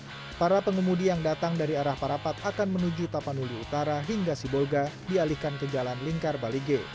begitu juga sebaliknya pengemudi yang datang dari arah tapanuli utara akan menuju tapanuli utara hingga sibolga dialihkan ke jalan lingkar bali g